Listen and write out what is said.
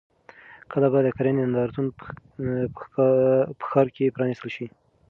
کله به د کرنې نندارتون په ښار کې پرانیستل شي؟